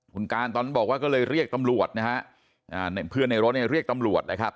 คุณการตอนนั้นบอกว่าก็เลยเรียกตำรวจนะฮะเพื่อนในรถเนี่ยเรียกตำรวจนะครับ